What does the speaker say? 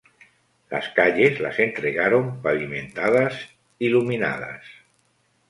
Las calles las entregaron pavimentadas, iluminadas.